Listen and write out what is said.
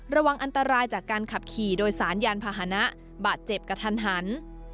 ระวังอันตรายจากการขับขี่โดยสารยานพาหนะบาดเจ็บกระทันหัน